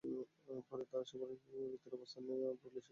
পরে তারা সুপারিবাগানের ভেতরে অবস্থান নিয়ে পুলিশ লক্ষ্য করে গুলি ছোড়ে।